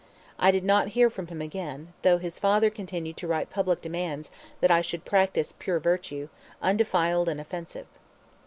I did not hear from him again, though his father continued to write public demands that I should practice pure virtue, undefiled and offensive.